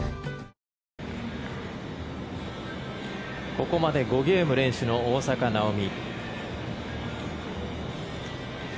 ここまで５ゲーム連取の大坂なおみ。